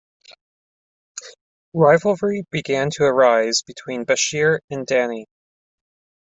Rivalry began to arise between Bashir and Dany.